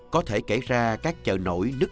có thể kể ra các chợ nổi đứt đứt đứt